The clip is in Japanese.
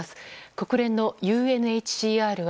国連のＵＮＨＣＲは